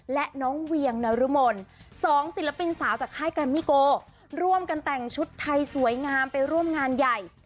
และน้องเวียงนรมน๒ศิลปินสาวจากค่ายแกรมมี่โกร่วมกันแต่งชุดไทยสวยงามไปร่วมงานใหญ่